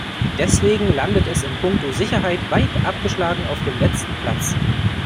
Deswegen landet es in puncto Sicherheit weit abgeschlagen auf dem letzten Platz.